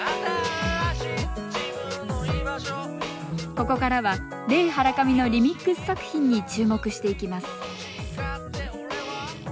ここからはレイ・ハラカミのリミックス作品に注目していきます